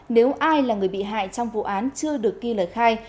nếu ai là người bị hại trong vụ án chưa được ghi lời khai